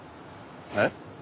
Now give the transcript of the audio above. えっ？